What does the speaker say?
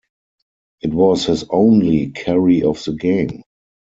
It was his only carry of the game.